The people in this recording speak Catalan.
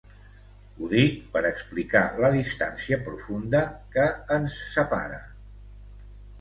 Ho dic per explicar la distància profunda que ens separa